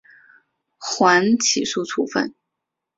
缓起诉处分。